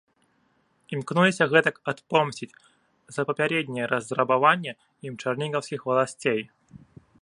Імкнуліся гэтак адпомсціць за папярэдняе разрабаванне ім чарнігаўскіх валасцей.